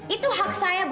itu hak saya bu